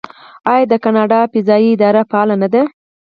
آیا د کاناډا فضایی اداره فعاله نه ده؟